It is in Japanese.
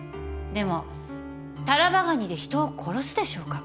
でもタラバガニで人を殺すでしょうか？